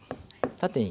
縦に。